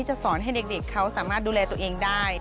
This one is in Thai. จะสอนให้เด็กเขาสามารถดูแลตัวเองได้